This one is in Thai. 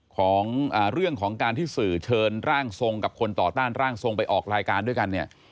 ของเรื่องของการที่สื่อเชิญร่างทรงกับคนต่อต้านร่างทรงไปออกรายการด้วยกันเนี่ย